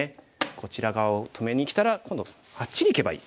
こちら側を止めにきたら今度あっちにいけばいい。